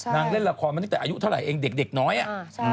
เล่นละครมาตั้งแต่อายุเท่าไหร่เองเด็กน้อยอ่ะ